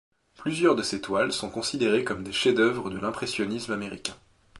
Plusieurs de ses toiles sont considérées comme des chefs d'œuvre de l'impressionnisme américain.